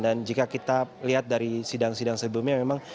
dan jika kita lihat dari sidang sidang sebelumnya